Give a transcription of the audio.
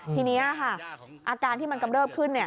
ทีนี้ค่ะอาการที่มันกำเริบขึ้น